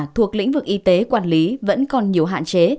thuộc lĩnh vực y tế quản lý vẫn còn nhiều hạn chế